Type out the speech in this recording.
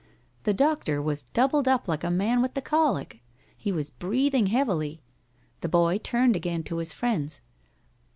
The doctor was doubled up like a man with the colic. He was breathing heavily. The boy turned again to his friends.